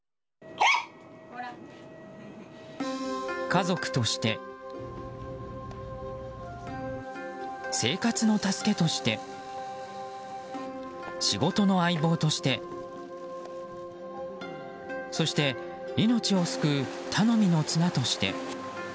家族として、生活の助けとして仕事の相棒としてそして命を救う頼みの綱として。